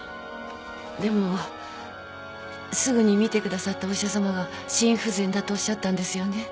でもすぐに診てくださったお医者さまが心不全だとおっしゃったんですよね？